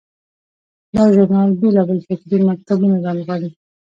دا ژورنال بیلابیل فکري مکتبونه رانغاړي.